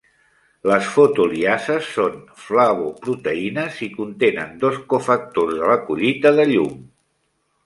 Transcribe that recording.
Les fotoliases són flavoproteïnes i contenen dos cofactors de la collita de llum.